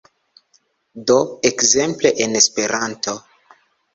Do ekzemple en Esperanto